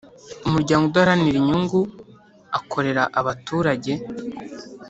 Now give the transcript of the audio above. Umuryango udaharanira inyungu akorera abaturage.